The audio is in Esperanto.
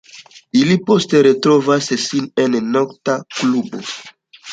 Ili poste retrovas sin en nokta klubo.